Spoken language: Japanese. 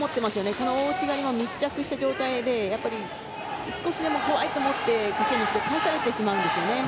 この大内刈りも密着した状態で少しでも怖いと思ってかけにいくと返されてしまうんですね。